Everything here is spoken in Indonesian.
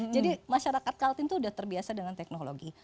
jadi masyarakat kaltim itu sudah terbiasa dengan teknologi